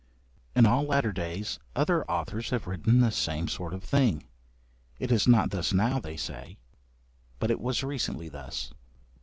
In all later days, other authors have written the same sort of thing; it is not thus now, say they, but it was recently thus.